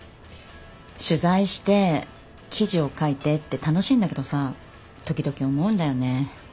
取材して記事を書いてって楽しいんだけどさ時々思うんだよね。